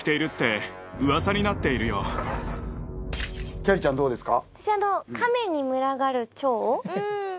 きゃりーちゃんどうですか？